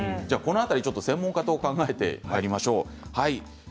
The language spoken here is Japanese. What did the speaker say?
専門家と考えてまいりましょう。